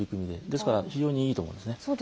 ですから非常にいいと思います。